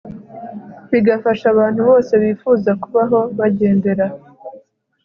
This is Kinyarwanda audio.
bigafasha abantu bose bifuza kubaho bagendera